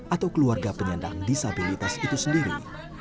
atau keluarga penyandang disabilitas itu sendiri